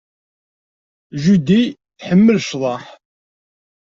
Judy tḥemmel ccḍeḥ.